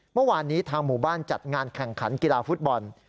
เมื่อวานนี้ทางหมู่บ้านจัดงานแข่งขันกีฬาฟุตบอล